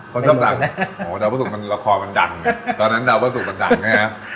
คนชอบสั่งโหดาวพะสุกมันละครมันดังตอนนั้นดาวพะสุกมันดังใช่ไหมครับ